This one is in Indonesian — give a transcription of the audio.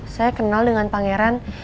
saya kenal dengan pangeran